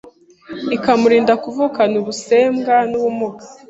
ikamurinda kuvukana ubusembwa n’ubumuga.